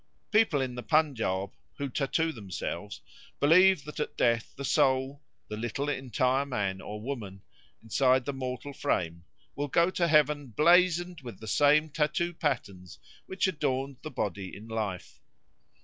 People in the Punjaub who tattoo themselves believe that at death the soul, "the little entire man or woman" inside the mortal frame, will go to heaven blazoned with the same tattoo patterns which adorned the body in life.